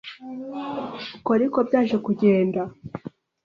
Uko ni ko byaje kugenda